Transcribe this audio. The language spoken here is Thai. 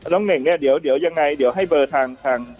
เน่งเนี่ยเดี๋ยวยังไงเดี๋ยวให้เบอร์ทาง